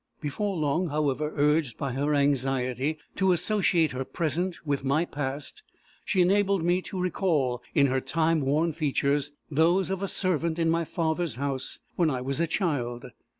Before long, however, urged by her anxiety to associate her Present with my Past, she enabled me to recall in her time worn features those of a servant in my father's house when I was a child.